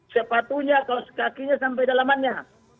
sepatunya kaos kakinya sampai dalamannya